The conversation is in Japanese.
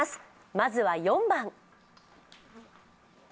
まずは４番。